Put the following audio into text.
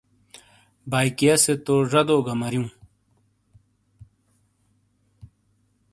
بائیکیا سے تو ڙدو کا مریوں۔